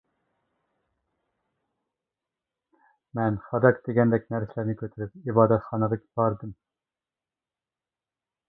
مەن خاداك دېگەندەك نەرسىلەرنى كۆتۈرۈپ ئىبادەتخانىغا باردىم.